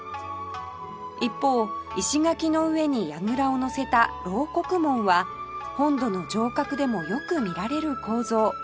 一方石垣の上に櫓をのせた漏刻門は本土の城郭でもよく見られる構造